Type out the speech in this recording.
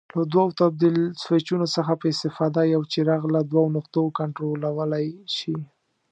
له دوو تبدیل سویچونو څخه په استفاده یو څراغ له دوو نقطو کنټرولولای شي.